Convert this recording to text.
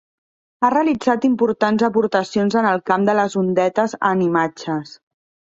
Ha realitzat importants aportacions en el camp de les ondetes en imatges.